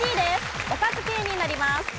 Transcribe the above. おかず系になります。